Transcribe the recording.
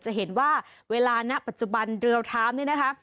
จะเห็นว่าเวลานักปัจจุบันเดี๋ยวเราถามนี่นะคะ